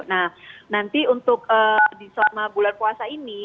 nah nanti untuk di selama bulan puasa ini